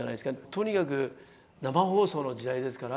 とにかく生放送の時代ですから。